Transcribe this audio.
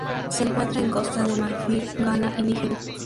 Se encuentra en Costa de Marfil, Ghana y Nigeria.